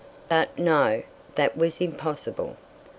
But no, that was impossible.